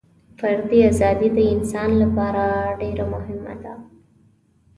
فردي ازادي د انسان لپاره ډېره مهمه ده.